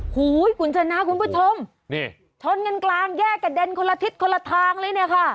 หูคุณชนะคุณผู้ชมนี่ชนกันกลางแยกกระเด็นคนละทิศคนละทางเลยเนี่ยค่ะ